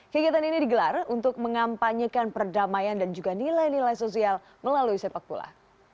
kegiatan ini digelar untuk mengampanyekan perdamaian dan juga nilai nilai sosial melalui sepak bola